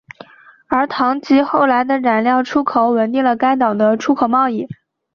而糖及后来的染料出口稳定了该岛的出口贸易。